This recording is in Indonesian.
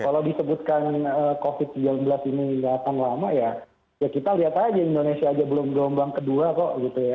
kalau disebutkan covid sembilan belas ini datang lama ya kita lihat saja indonesia belum gelombang kedua kok gitu ya